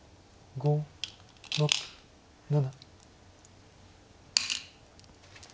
５６７。